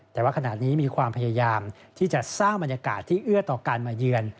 แต่ว่าขณะนี้มีความพยายามที่จะสร้างบรรยากาศที่เอื้อต่อการมาเยือน